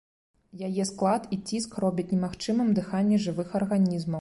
Яе склад і ціск робяць немагчымым дыханне жывых арганізмаў.